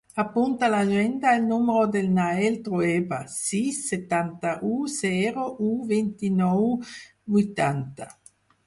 Apunta a l'agenda el número del Nael Trueba: sis, setanta-u, zero, u, vint-i-nou, vuitanta.